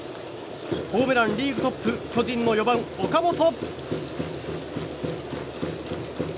ホームランリーグトップ巨人４番の岡本。